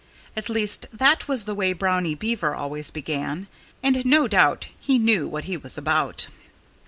At least, that was the way Brownie Beaver always began. And no doubt he knew what he was about.